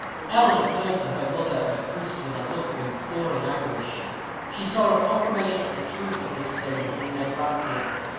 Eleanor turned to her mother and the priest with a look of imploring anguish; she saw a confirmation of the truth of this statement in their glances.